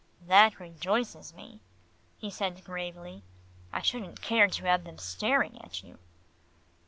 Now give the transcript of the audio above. "That rejoices me," he said gravely. "I shouldn't care to have them staring at you."